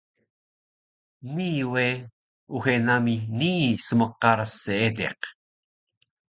Nii we uxe nami nii smqaras seediq